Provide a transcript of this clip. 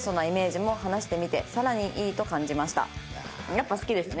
やっぱ好きですね。